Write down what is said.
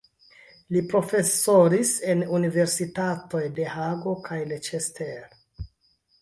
Li profesoris en universitatoj de Hago kaj Leicester.